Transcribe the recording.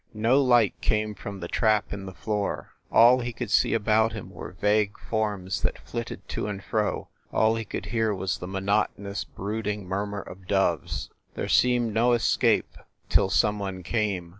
No light came from the trap in the floor all he could see about him were vague forms that flitted to and fro, all he could hear was the monotonous, brooding murmur of doves. There seemed no es cape till some one came.